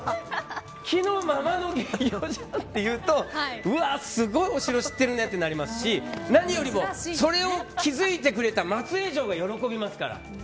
そう言うと、すごいお城を知ってるねってなりますし何よりもそれを気づいてくれた松江城が喜びますから。